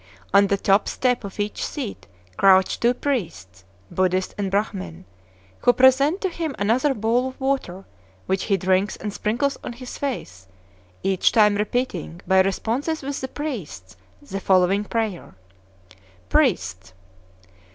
On the top step of each seat crouch two priests, Buddhist and Brahmin, who present to him another bowl of water, which he drinks and sprinkles on his face, each time repeating, by responses with the priests, the following prayer: Priests.